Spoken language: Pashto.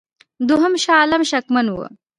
دوهم شاه عالم شکمن وو.